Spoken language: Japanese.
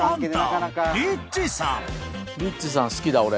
リッチさん好きだ俺。